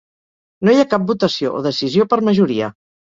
No hi ha cap votació o decisió per majoria.